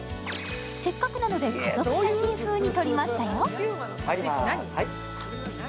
せっかくなので家族写真風に撮りましたよ。